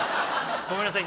ごめんなさい。